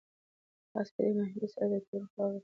آس په ډېرې ناهیلۍ سره د تورو خاورو په منځ کې بند پاتې و.